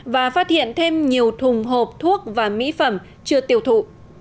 và phát hiện thêm nhiều thùng hộp thuốc và mỹ phẩm chưa tiêu thụ